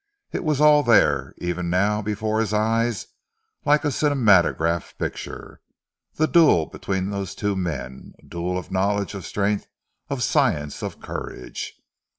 It was all there, even now, before his eyes like a cinematograph picture the duel between those two men, a duel of knowledge, of strength, of science, of courage.